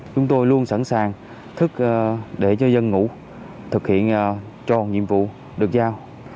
chúng tôi luôn sẵn sàng thức để cho dân ngủ thực hiện tròn nhiệm vụ được giao